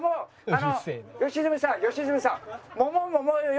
あの良純さん良純さん。